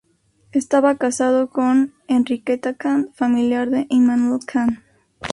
Estaba casado con Henrietta Kant, familiar de Immanuel Kant.